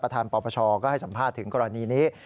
ทางปปชก็ให้สัมภาษณ์ถึงกรณีนี้